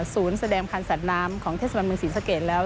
ศูนย์แสดงพันธุ์สัตว์น้ำของเทศบันเมืองศรีสะเกียจแล้ว